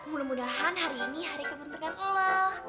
mudah mudahan hari ini hari kepentingan lo